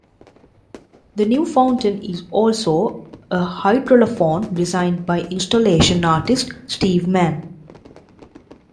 The new fountain is also a hydraulophone designed by installation artist Steve Mann.